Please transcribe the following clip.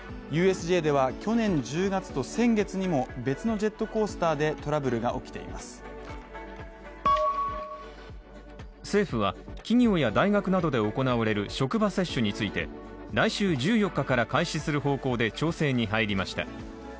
ＵＳＪでは、去年１０月と先月にも別のジェットコースターでトラブルが起きています政府は、企業や大学などで行われる職場接種について、来週１４日から開始する方向で調整に入りました。